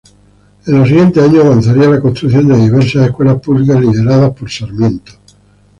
En los siguientes años, avanzaría la construcción de diversas escuelas públicas, liderada por Sarmiento.